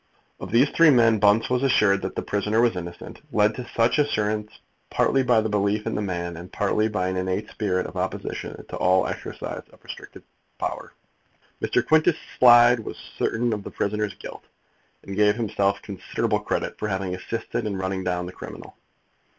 Of these three men, Bunce was assured that the prisoner was innocent, led to such assurance partly by belief in the man, and partly by an innate spirit of opposition to all exercise of restrictive power. Mr. Quintus Slide was certain of the prisoner's guilt, and gave himself considerable credit for having assisted in running down the criminal.